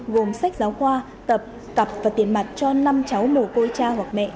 gồm sách giáo khoa tập và tiền mặt cho năm cháu mồ côi cha hoặc mẹ